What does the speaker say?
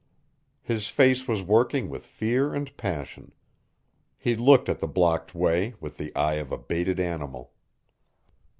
His face was working with fear and passion. He looked at the blocked way with the eye of a baited animal.